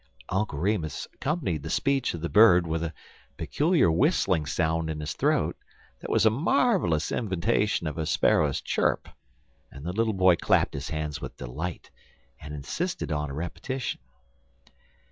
"' Uncle Remus accompanied the speech of the bird with a peculiar whistling sound in his throat, that was a marvelous imitation of a sparrow's chirp, and the little boy clapped his hands with delight, and insisted on a repetition.